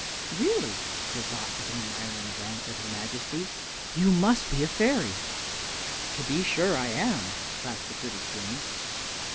"Really," said Dot with an admiring glance at her Majesty, "you must be a fairy." "To be sure I am!" laughed the pretty Queen.